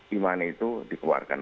di mana itu dikeluarkan